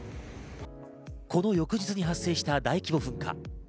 この翌日に発生した大規模噴火。